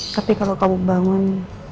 tapi kalau kamu bangun